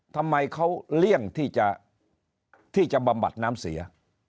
ทำไมเขาเลี่ยงที่จะบำบัดน้ำเสีย